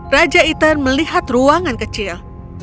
raja ethan melihat ruangan kecil